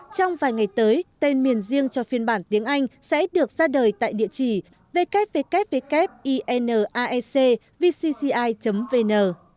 trong vài ngày tới tên miền riêng cho phiên bản tiếng anh sẽ được ra đời tại địa chỉ www inaecvcci vn